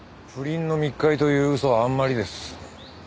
不倫の密会という嘘はあんまりです。